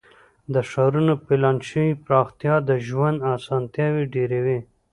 د ښارونو پلان شوې پراختیا د ژوند اسانتیاوې ډیروي.